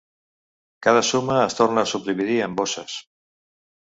Cada suma es torna a subdividir en "bosses".